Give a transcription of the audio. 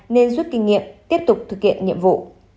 nên rút kinh nghiệm tiếp tục thực hiện nhiệm vụ